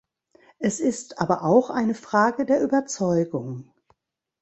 Es ist aber auch eine Frage der Überzeugung.